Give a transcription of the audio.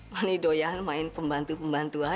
mali doyan main pembantu pembantuan